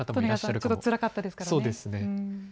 ちょっとつらかったですからね。